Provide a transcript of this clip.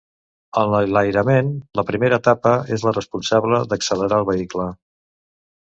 En l'enlairament, la primera etapa és la responsable d'accelerar el vehicle.